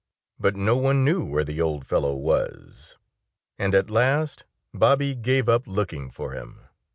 But no one knew where the old fellow was. And at last Bobby gave up looking for him.